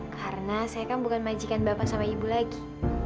karena saya kan bukan majikan bapak sama ibu lagi